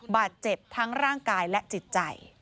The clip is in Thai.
บาดเจ็บทั้งร่างกายและจิตใจ